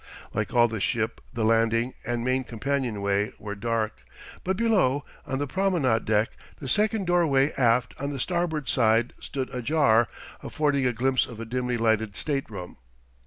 Like all the ship the landing and main companionway were dark; but below, on the promenade deck, the second doorway aft on the starboard side stood ajar, affording a glimpse of a dimly lighted stateroom.